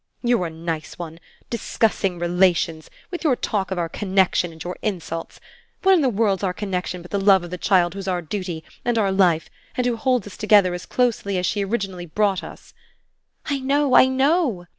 "You're a nice one 'discussing relations' with your talk of our 'connexion' and your insults! What in the world's our connexion but the love of the child who's our duty and our life and who holds us together as closely as she originally brought us?" "I know, I know!"